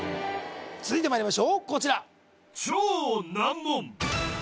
続いてまいりましょうこちら